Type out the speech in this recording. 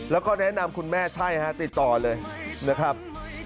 แล้วก็แนะนำคุณแม่ใช่ฮะติดต่อเลยนะครับ